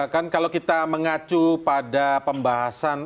kan kalau kita mengacu pada pembahasan